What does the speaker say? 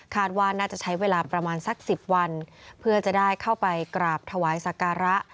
ว่าน่าจะใช้เวลาประมาณสัก๑๐วันเพื่อจะได้เข้าไปกราบถวายสักการะ